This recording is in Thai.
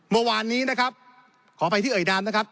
โมงวันนี้ขอไปที่เอยดัมนะครับ